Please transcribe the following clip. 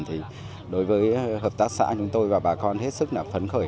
thì đối với hợp tác xã chúng tôi và bà con hết sức là phấn khởi